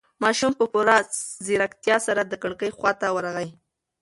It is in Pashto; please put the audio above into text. ماشوم په پوره ځيرکتیا سره د کړکۍ خواته ورغی.